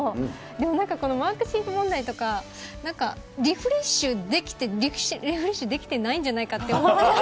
でもなんかこのマークシート問題とか、なんかリフレッシュできて、リフレッシュできてないんじゃないかなって思って。